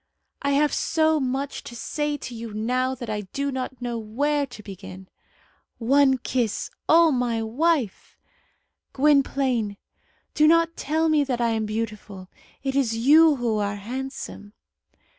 "I have so much to say to you now that I do not know where to begin." "One kiss!" "O my wife!" "Gwynplaine, do not tell me that I am beautiful. It is you who are handsome."